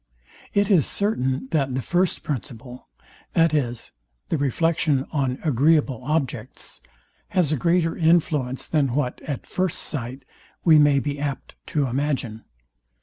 It is certain, that the first principle, viz, the reflection on agreeable objects, has a greater influence, than what, at first sight, we may be apt to imagine.